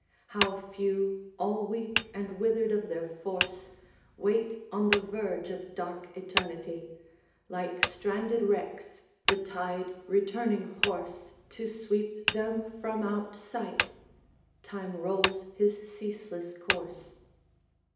How few, all weak and withered of their force, Wait on the verge of dark eternity, Like stranded wrecks, the tide returning hoarse, To sweep them from out sight! Time rolls his ceaseless course.